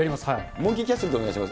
モンキーキャッスルでお願いします。